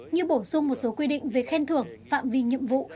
như bổ sung một số quy định về khen thưởng phạm vi nhiệm vụ